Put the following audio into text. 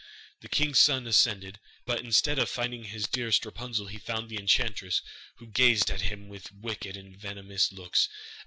The king's son ascended, but instead of finding his dearest Rapunzel, he found the enchantress, who gazed at him with wicked and venomous looks.